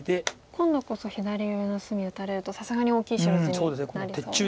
今度こそ左上の隅打たれるとさすがに大きい白地になりそうなので。